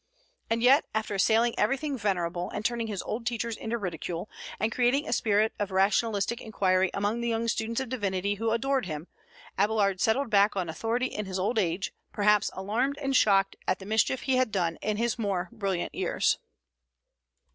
And yet, after assailing everything venerable, and turning his old teachers into ridicule, and creating a spirit of rationalistic inquiry among the young students of divinity, who adored him, Abélard settled back on authority in his old age, perhaps alarmed and shocked at the mischief he had done in his more brilliant years.